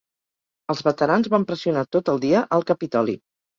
Els veterans van pressionar tot el dia el Capitoli.